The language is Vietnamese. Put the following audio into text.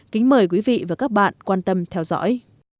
kính mời quý vị và các bạn quan tâm theo dõi